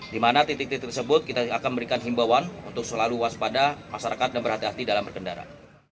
di mana titik titik tersebut kita akan memberikan himbawan untuk selalu waspada masyarakat dan berhati hati dalam berkendara